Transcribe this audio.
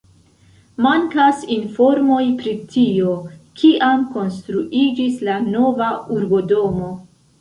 Mankas informoj pri tio, kiam konstruiĝis la nova urbodomo.